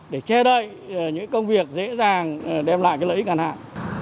để che đợi những công việc dễ dàng đem lại cái lợi ích gần hạn